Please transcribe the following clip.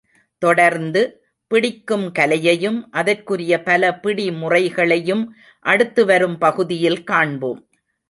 தொடர்ந்து, பிடிக்கும் கலையையும் அதற்குரிய பல பிடி முறைகளையும் அடுத்து வரும் பகுதியில் காண்போம்.